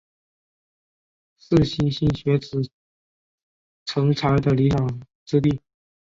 是莘莘学子成才的理想之地。